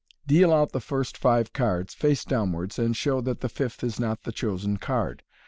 Deal out the first five cards, face downwards, and show that the fifth is not the chosen card.